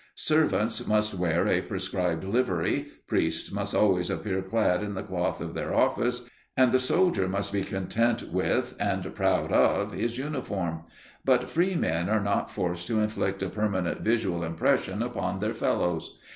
Servants must wear a prescribed livery, priests must always appear clad in the cloth of their office, and the soldier must be content with and proud of his uniform, but free men are not forced to inflict a permanent visual impression upon their fellows.